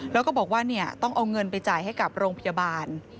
แล้วก็บอกว่าต้องเอาเงินไปจ่ายให้กับโรงพยาบาล